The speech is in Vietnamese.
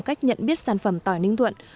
cách nhận biết sản phẩm tỏi ninh thuận